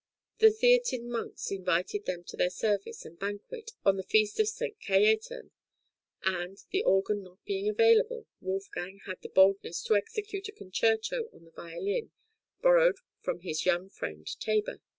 The Theatin monks invited them to their service and banquet on the feast of S. Cajetan, and, the organ not being available, Wolfgang had the boldness to execute a concerto on a violin borrowed from his young friend Teyber.